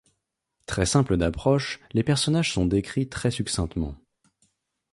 Très simple d'approche, les personnages sont décrits très succinctement.